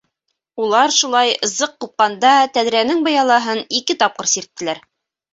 Улар шулай зыҡ ҡупҡанда тәҙрәнең быялаһын ике тапҡыр сирттеләр.